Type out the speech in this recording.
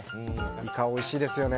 イカ、おいしいですよね。